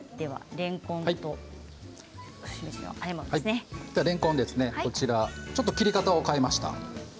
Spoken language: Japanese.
れんこんは切り方を変えました。